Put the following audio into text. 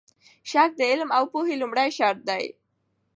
شک د علم او پوهې لومړی شرط دی.